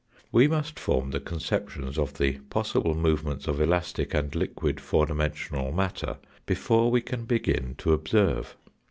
We must form the conceptions of the possible move ments of elastic and liquid four dimensional matter, before we can begin to observe.